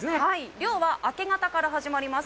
漁は明け方から始まります。